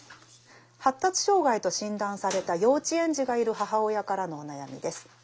発達障害と診断された幼稚園児がいる母親からのお悩みです。